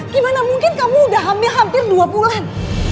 gimana mungkin kamu udah hamil hampir dua bulan